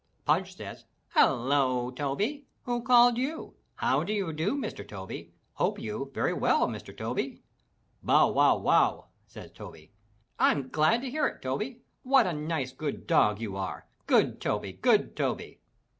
Punch says, "Hello, Toby! Who called you? How you do, Mr. Toby? Hope you, very well, Mr. Toby." "Bow, wow, wow!" says Toby. "Fm glad to hear it, Toby! What a nice, good dog you are! Good Toby! Good Toby!"